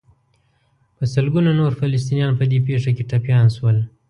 په سلګونو نور فلسطینیان په دې پېښه کې ټپیان شول.